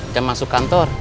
jam masuk kantor